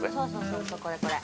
そうそうこれこれ。